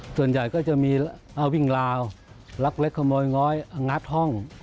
ส่วนใหญ่ก็จะมีวิ่งราวลักเล็กขโมยง้อยงัดห้อง